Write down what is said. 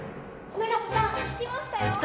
永瀬さん聞きましたよ。